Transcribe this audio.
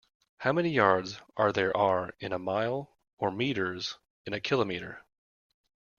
How many yards are there are in a mile, or metres in a kilometre?